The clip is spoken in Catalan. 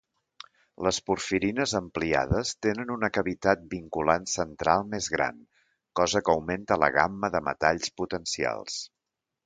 Les porfirines ampliades tenen una cavitat vinculant central més gran, cosa que augmenta la gamma de metalls potencials.